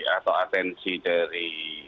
atau atensi dari